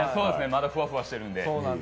まだふわふわしてるんで。